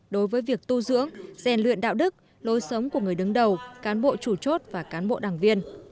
đối với việc tu dưỡng rèn luyện đạo đức lối sống của người đứng đầu cán bộ chủ chốt và cán bộ đảng viên